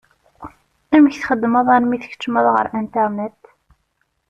Amek txeddmeḍ armi tkeččmeḍ ɣer Internet?